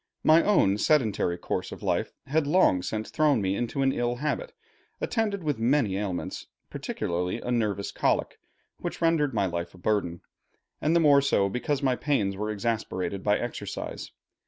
My own sedentary course of life had long since thrown me into an ill habit, attended with many ailments, particularly a nervous colic, which rendered my life a burden, and the more so because my pains were exasperated by exercise.